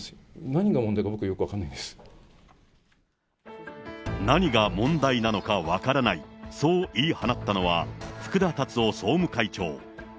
何が問題なのか、何が問題なのか分からない、そう言い放ったのは、福田達夫総務会長。